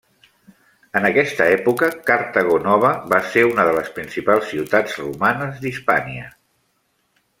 En aquesta època Cartago Nova va ser una de les principals ciutats romanes d'Hispània.